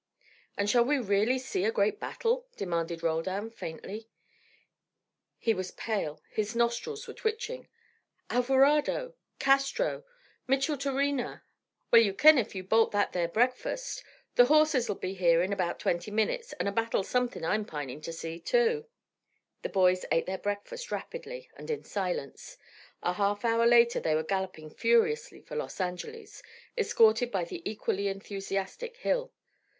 "And shall we really see a great battle?" demanded Roldan, faintly. He was pale, his nostrils were twitching, "Alvarado! Castro! Micheltorena!" "Well, you kin, if you bolt that there breakfast. The horses'll be here in about twenty minutes, and a battle's somethin' I'm pinin' to see, too." The boys ate their breakfast rapidly and in silence. A half hour later they were galloping furiously for Los Angeles, escorted by the equally enthusiastic Hill.